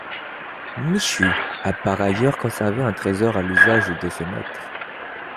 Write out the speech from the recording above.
Michu a par ailleurs conservé un trésor à l’usage de ses maîtres.